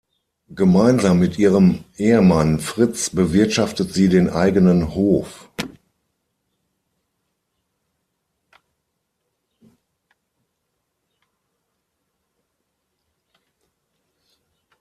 Gemeinsam mit ihrem Ehemann Fritz bewirtschaftet sie den eigenen Hof.